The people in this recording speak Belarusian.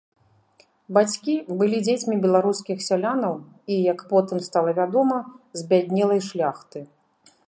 Бацькі былі дзецьмі беларускіх сялянаў і, як потым стала вядома, збяднелай шляхты.